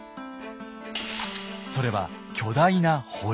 それは巨大な堀。